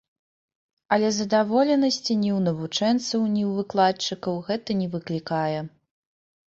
Але задаволенасці ні ў навучэнцаў, ні ў выкладчыкаў гэта не выклікае.